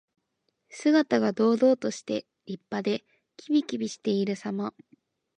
姿が堂々として、立派で、きびきびしているさま。